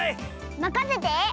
まかせて！